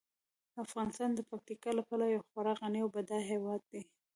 افغانستان د پکتیکا له پلوه یو خورا غني او بډایه هیواد دی.